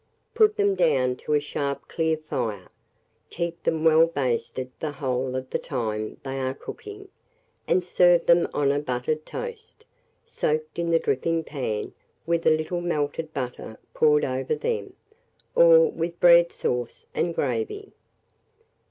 Put them down to a sharp clear fire; keep them well basted the whole of the time they are cooking, and serve them on a buttered toast, soaked in the dripping pan, with a little melted butter poured over them, or with bread sauce and gravy.